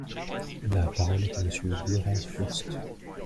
La parole est à Monsieur Laurent Furst.